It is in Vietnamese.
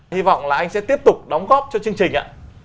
hy vọng là anh sẽ tiếp tục đóng góp cho chương trình ạ